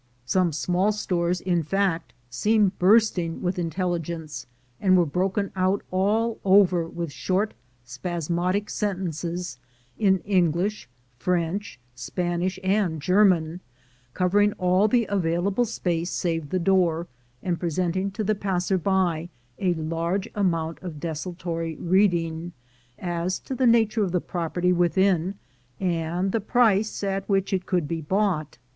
Some small stores, in fact, seemed bursting with intelli gence, and were broken out all over with short spas modic sentences in English, French, Spanish, and German, covering all the available space save the door, and presenting to the passer by a large amount of desultory reading as to the nature of the property within and the price at which it could be bought.